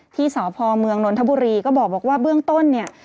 ที่สพเมืองนนทบุรีก็บอกว่าเบื้องต้นเนี่ย